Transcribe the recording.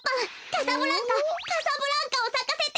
カサブランカカサブランカをさかせて！